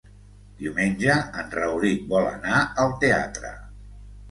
Diumenge en Rauric vol anar al teatre.